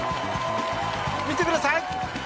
見てください